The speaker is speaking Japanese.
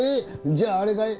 じゃああれかい？